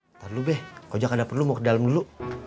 bentar dulu be kojak ada perlu mau ke dalam dulu